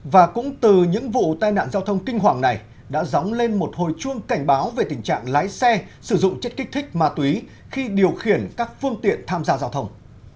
và cũng từ những vụ tai nạn giao thông kinh hoàng này đã dóng lên một hồi chuông cảnh báo về tình trạng lái xe sử dụng chất kích thích ma túy khi điều khiển các phương tiện tham gia giao thông